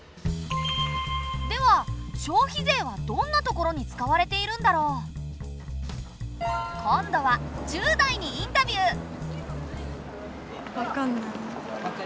では消費税はどんなところに使われているんだろう？今度は１０代にインタビュー！